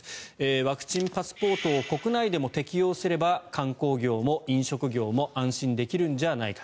ワクチンパスポートを国内でも適用すれば観光業も飲食業も安心できるんじゃないか。